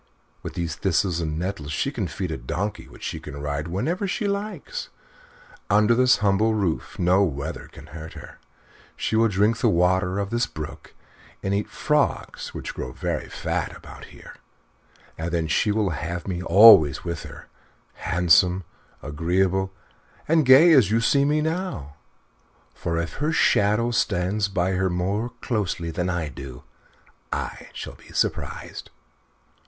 With these thistles and nettles she can feed a donkey which she can ride whenever she likes; under this humble roof no weather can hurt her; she will drink the water of this brook and eat frogs which grow very fat about here; and then she will have me always with her, handsome, agreeable, and gay as you see me now. For if her shadow stays by her more closely than I do I shall be surprised."